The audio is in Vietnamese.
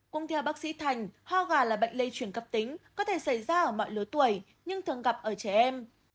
cũng theo bác sĩ thành ho gà là bệnh lây chuyển cấp tính có thể xảy ra ở mọi lứa tuổi nhưng thường gặp ở trẻ em